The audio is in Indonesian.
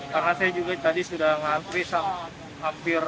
karena saya juga tadi sudah berhasil